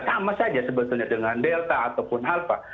sama saja sebetulnya dengan delta ataupun alpha